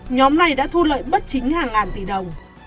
nhóm này đã thu lợi bất chính hàng ngàn tỷ đồng